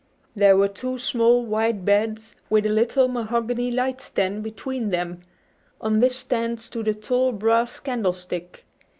There were two small white beds, with a little mahogany light stand between them. On this stand stood a tall brass candlestick.